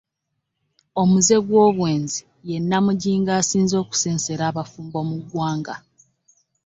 Omuze gw'obwenzi ye Nnamujinga asinze okusensera abafumbo mu ggwanga